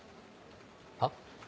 はっ？